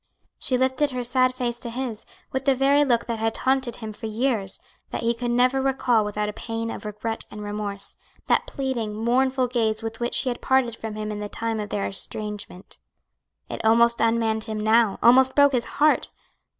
She lifted her sad face to his, with the very look that had taunted him for years, that he could never recall without a pang of regret and remorse that pleading, mournful gaze with which she had parted from him in the time of their estrangement. It almost unmanned him now, almost broke his heart.